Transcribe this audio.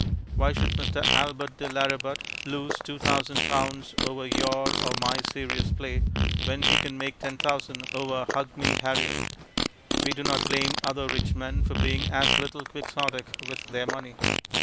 Why should Mr. Albert de Lauributt lose two thousand pounds over your or my serious play, when he can make ten thousand over Hug me, Harriet? We do not blame other rich men for being as little quixotic with their money.